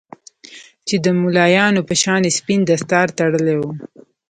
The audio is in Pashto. چې د مولويانو په شان يې سپين دستار تړلى و.